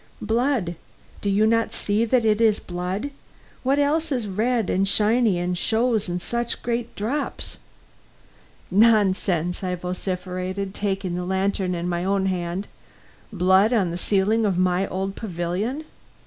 "Blood! Do you not see that it is blood? What else is red and shiny and shows in such great drops " "Nonsense!" I vociferated, taking the lantern in my own hand. "Blood on the ceiling of my old pavilion?